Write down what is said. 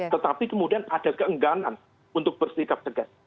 tetapi kemudian ada keengganan untuk bersikap tegas